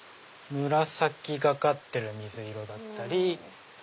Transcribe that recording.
紫がかってる水色だったり。